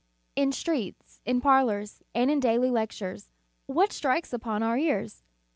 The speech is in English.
In streets, in parlors, and in daily lectures, what strikes upon our ears?